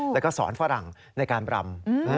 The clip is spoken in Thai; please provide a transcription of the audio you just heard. แล้วก็สอนฝรั่งในการรำ